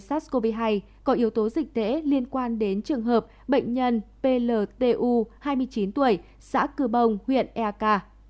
sars cov hai có yếu tố dịch tễ liên quan đến trường hợp bệnh nhân pltu hai mươi chín tuổi xã cư bông huyện eak